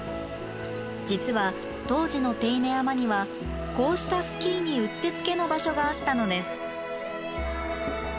実は当時の手稲山にはこうしたスキーにうってつけの場所があったのです。